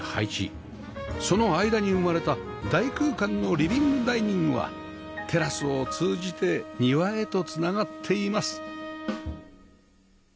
その間に生まれた大空間のリビングダイニングはテラスを通じて庭へと繋がっています